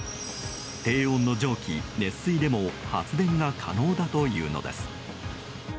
低温の蒸気、熱水でも発電が可能だというのです。